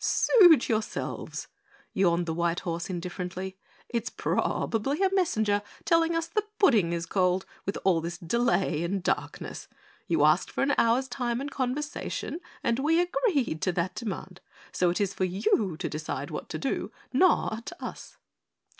"Suit yourselves," yawned the white horse indifferently. "It's probably a messenger telling us the pudding is cold with all this delay and darkness. You asked for an hour's time and conversation and we agreed to that demand, so it is for you to decide what to do, not us."